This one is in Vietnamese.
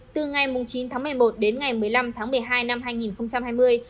từ ngày chín tháng một mươi một đến ngày một mươi năm tháng một mươi hai năm hai nghìn hai mươi